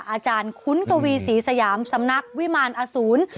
อาจารย์คุ้นกวีศรีสยามสำนักวิมารอสูร